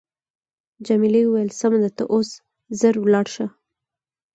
جميلې وويل: سمه ده ته اوس ژر ولاړ شه.